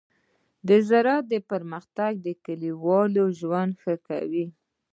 د زراعت پرمختګ د کليوالو ژوند ښه کوي.